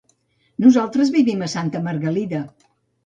Nosaltres vivim a Santa Margalida.